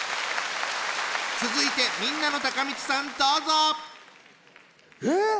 続いてみんなのたかみちさんどうぞ！えっ！